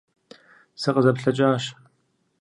СыкъызэплъэкӀащ.